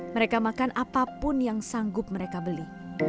mereka makan apapun yang sanggup mereka beli